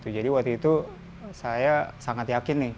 jadi waktu itu saya sangat yakin nih